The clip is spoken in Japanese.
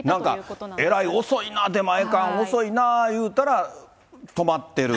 なんかえらい遅いな、出前館、遅いないうたら、とまってる。